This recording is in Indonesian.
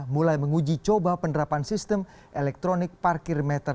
mulai menguji coba penerapan sistem elektronik parkir meter